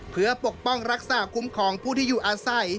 เพื่อปกป้องรักษาคุ้มครองผู้ที่อยู่อาศัย